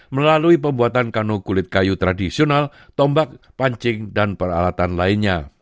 melalui pembuatan kano kulit kayu tradisional tombak pancing dan peralatan lainnya